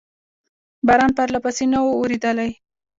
باران پرلپسې نه و اورېدلی.